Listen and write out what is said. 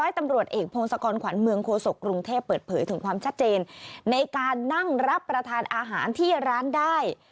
ถึงความชัดเจนในการนั่งรับประทานอาหารที่ร้านได้